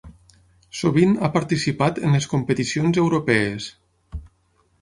Sovint ha participat en les competicions europees.